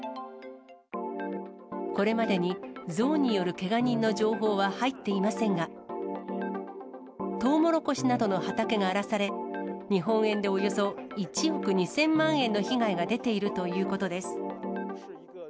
これまでにゾウによるけが人の情報は入っていませんが、トウモロコシなどの畑が荒らされ、日本円でおよそ１億２０００万円の被害が出ているということです。